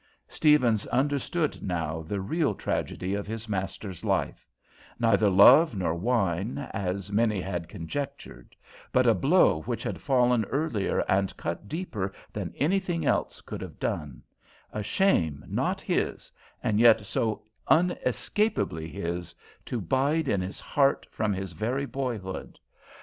Steavens understood now the real tragedy of his master's life; neither love nor wine, as many had conjectured; but a blow which had fallen earlier and cut deeper than anything else could have done a shame not his, and yet so unescapably his, to bide in his heart from his very boyhood.